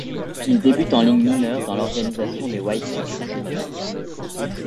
Il débute en ligue mineure dans l'organisation des White Sox.